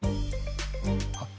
あっ。